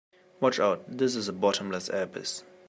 Watch out, this is a bottomless abyss!